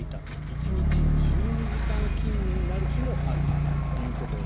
１日１２時間勤務になる日もあるということです。